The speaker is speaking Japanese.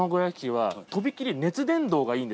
はい。